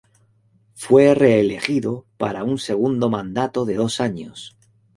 Fue reelegido para un segundo mandato de dos años.